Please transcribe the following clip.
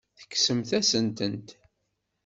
Tekksem-asent-tent.